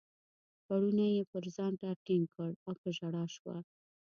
پوړنی یې پر ځان راټینګ کړ او په ژړا شوه.